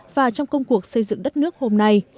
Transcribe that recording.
và trong công cuộc xây dựng đất nước hôm nay